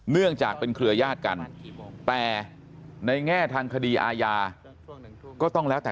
เนื่องจากเป็นเครือยาศกันแต่ในแง่ทางคดีอาญาก็ต้องแล้วแต่